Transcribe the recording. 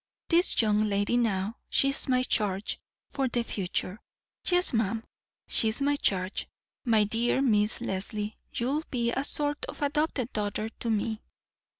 This young lady now, she's my charge for the future. Yes, ma'am, she's my charge. My dear Miss Leslie, you'll be a sort of adopted daughter to me.